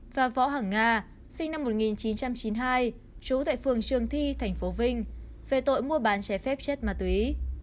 và võ hẳn nga sinh năm một nghìn chín trăm chín mươi hai trú tại phường trường thi tp vinh về tội mua bán trái phép chất ma túy